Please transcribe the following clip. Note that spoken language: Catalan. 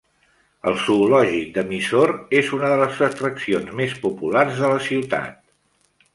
El zoològic de Mysore és una de les atraccions més populars de la ciutat.